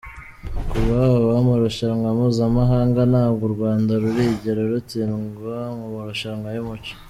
kuva habaho amarushanwa mpuzamahanga ntabwo u Rwanda rurigera rutsindwa mu marushanwa y’umuco.